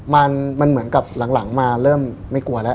มันเหมือนกับหลังมาเริ่มไม่กลัวแล้ว